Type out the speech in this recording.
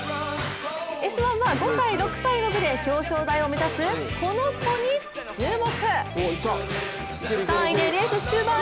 「Ｓ☆１」は５歳、６歳の部で表彰台を目指す、この子に注目。